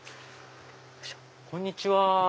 こんにちは。